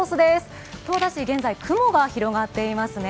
現在雲が広がっていますね。